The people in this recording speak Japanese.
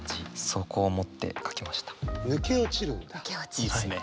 いいですね。